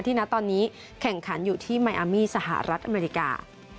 ณตอนนี้แข่งขันอยู่ที่มายอามีสหรัฐอเมริกา